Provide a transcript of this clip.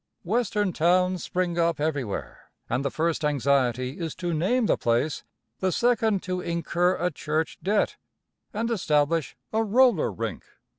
Western towns spring up everywhere, and the first anxiety is to name the place, the second to incur a church debt and establish a roller rink.